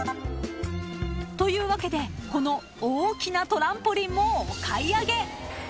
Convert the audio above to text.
［というわけでこの大きなトランポリンもお買い上げ］